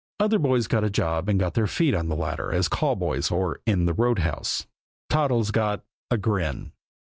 Other boys got a job and got their feet on the ladder as call boys, or in the roundhouse; Toddles got a grin.